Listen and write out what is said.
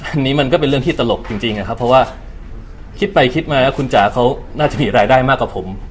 อันนี้มันก็เป็นเรื่องที่ตลกจริงนะครับเพราะว่าคิดไปคิดมาแล้วคุณจ๋าเขาน่าจะมีรายได้มากกว่าผม